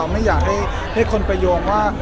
ไม่อยากให้คนโหลงว่า